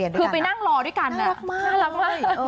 น่ารักมาก